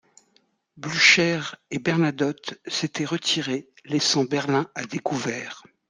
Blücher et Bernadotte s'étaient retirés laissant Berlin à découvert.